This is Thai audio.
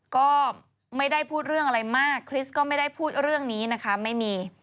ก็ไม่ได้พูดเรื่องอะไรมากคริสก็ไม่ได้พูดเรื่องนี้นะคะไม่มี